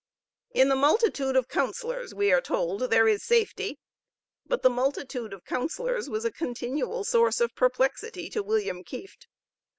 In the multitude of counsellors, we are told, there is safety; but the multitude of counsellors was a continual source of perplexity to William Kieft.